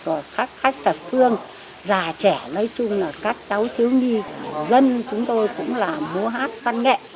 rồi các khách thập phương già trẻ nói chung là các cháu thiếu nhi dân chúng tôi cũng là múa hát văn nghệ